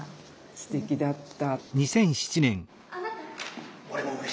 すてきだった。